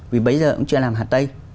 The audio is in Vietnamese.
vì bây giờ cũng chưa làm hà tây